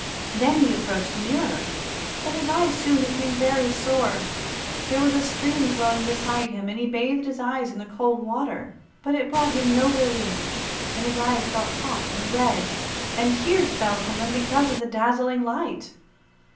Then he approached nearer, but his eyes soon became very sore. There was a stream flowing beside him, and he bathed his eyes in the cold water, but it brought him no relief, and his eyes felt hot and red, and tears fell from them because of the dazzling light.